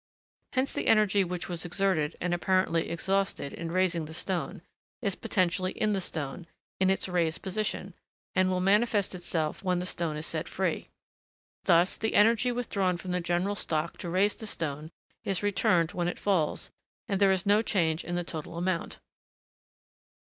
Hence the energy which was exerted, and apparently exhausted, in raising the stone, is potentially in the stone, in its raised position, and will manifest itself when the stone is set free. Thus the energy, withdrawn from the general stock to raise the stone, is returned when it falls, and there is no change in the total amount.